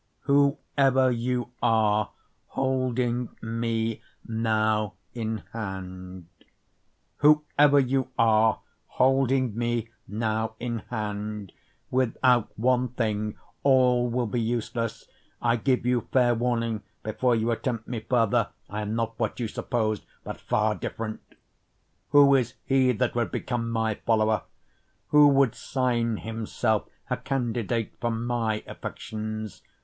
Whoever You Are Holding Me Now in Hand Whoever you are holding me now in hand, Without one thing all will be useless, I give you fair warning before you attempt me further, I am not what you supposed, but far different. Who is he that would become my follower? Who would sign himself a candidate for my affections?